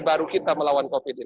baru kita melawan covid ini